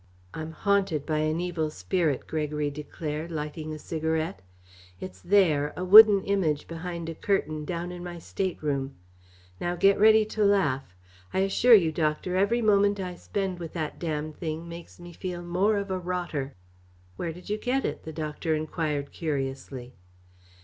"I'm haunted by an evil spirit," Gregory declared, lighting a cigarette. "It's there, a wooden Image behind a curtain, down in my stateroom. Now get ready to laugh. I assure you, Doctor, every moment I spend with that damned thing makes me feel more of a rotter." "Where did you get it?" the doctor enquired curiously.